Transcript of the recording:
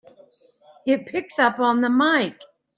It picks up on the mike!